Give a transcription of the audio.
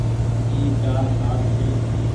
اي چآر کآٽ ڇي۔